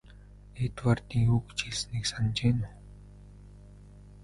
Эдвардын юу гэж хэлснийг санаж байна уу?